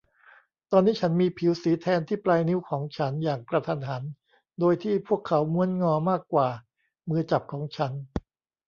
ตอนนี้ฉันมีผิวสีแทนที่ปลายนิ้วของฉันอย่างกระทันหันโดยที่พวกเขาม้วนงอมากกว่ามือจับของฉัน